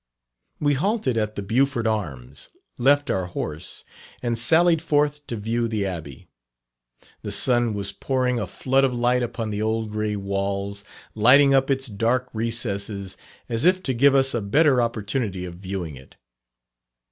We halted at the "Beaufort Arms," left our horse, and sallied forth to view the Abbey. The sun was pouring a flood of light upon the old grey walls, lighting up its dark recesses, as if to give us a better opportunity of viewing it.